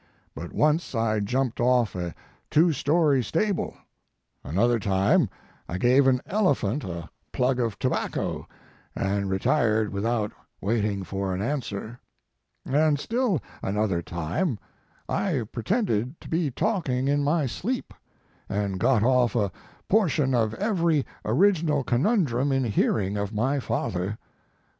But once I jumped off a two story stable; another time I gave an elephant a plug Mark Twain of tobacco, and retired without waiting for aa answer; and still another time I pretended to be talking in ray sleep, and got off a portion of every original conun drum in heanng of my father.